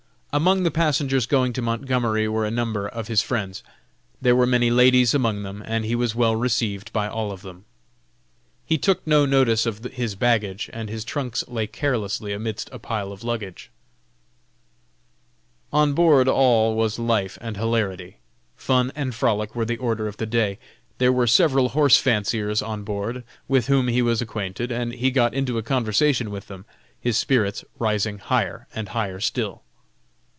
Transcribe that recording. Among the passengers going to Montgomery were a number of his friends. There were many ladies among them, and he was well received by all of them. He took no notice of his baggage, and his trunks lay carelessly amidst a pile of luggage. On board all was life and hilarity. Fun and frolic were the order of the day. There were several horse fanciers on board, with whom he was acquainted, and he got into a conversation with them, his spirits rising higher and higher still.